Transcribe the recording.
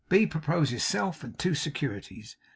B proposes self and two securities.